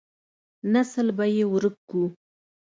نسل به يې ورک کو.